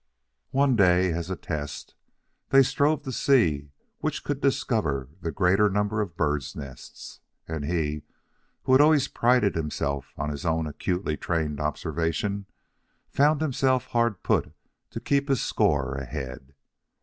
One day, as a test, they strove to see which could discover the greater number of birds' nests. And he, who had always prided himself on his own acutely trained observation, found himself hard put to keep his score ahead.